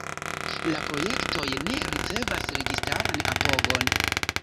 La projektoj ne ricevas registaran apogon.